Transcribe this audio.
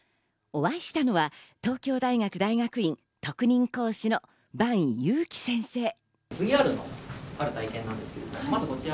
お会いしたのは東京大学大学院・特任講師の伴祐樹先生。